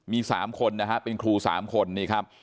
มี๓คนนะฮะเป็นครู๓คนนี่ครับ